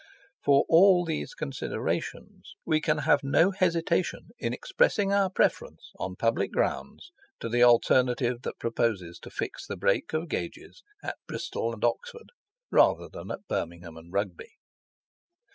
For all these considerations, we can have no hesitation in expressing our preference, on public grounds, to the alternative that proposes to fix the break of gauges at Bristol and Oxford, rather than at Birmingham and Rugby.